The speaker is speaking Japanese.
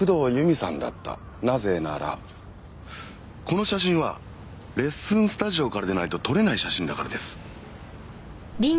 なぜならこの写真はレッスンスタジオからでないと撮れない写真だからです。